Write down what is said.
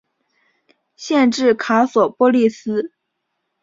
县治卡索波利斯。